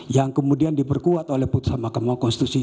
yang kemudian diperkuat oleh putusan mahkamah konstitusi